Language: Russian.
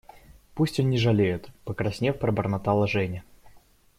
– Пусть он не жалеет, – покраснев, пробормотала Женя.